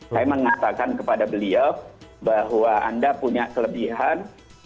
saya mengatakan kepada beliau bahwa anda punya kelebihan